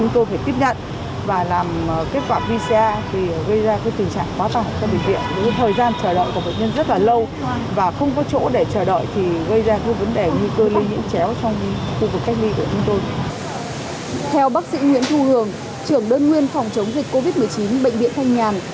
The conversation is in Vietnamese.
theo bác sĩ nguyễn thu hường trưởng đơn nguyên phòng chống dịch covid một mươi chín bệnh viện thanh nhàn